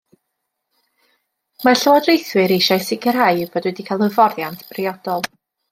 Mae'r llywodraethwyr eisiau sicrhau eu bod wedi cael hyfforddiant priodol